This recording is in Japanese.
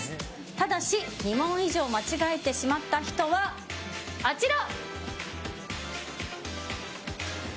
ただし２問以上間違えてしまった人は、あちら。